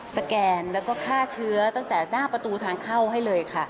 แกนแล้วก็ฆ่าเชื้อตั้งแต่หน้าประตูทางเข้าให้เลยค่ะ